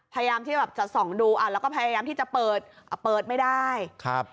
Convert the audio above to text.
พยายามที่แบบจะส่องดูอ่าแล้วก็พยายามที่จะเปิดอ่ะเปิดเปิดไม่ได้ครับ